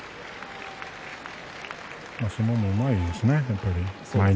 相撲がうまいですよね。